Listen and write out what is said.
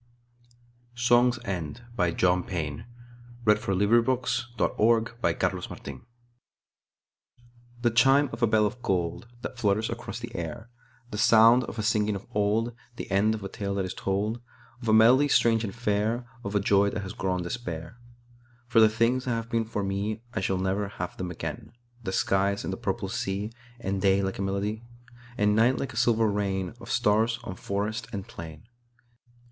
torian Anthology, 1837–1895. 1895. John Payne b. 1842 Songs' End THE CHIME of a bell of goldThat flutters across the air, The sound of a singing of old, The end of a tale that is told, Of a melody strange and fair, of a joy that has grown despair:For the things that have been for meI shall never have them again; The skies and the purple sea, And day like a melody, And night like a silver rainOf stars on forest and plain.